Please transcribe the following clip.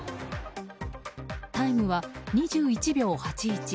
タイムは２１秒８１。